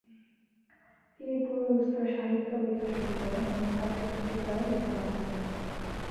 তিনি পুরোদুস্তর সাহিত্য লেখা শুরু করেন এবং পত্র-পত্রিকায়ও লেখা পাঠাতেন।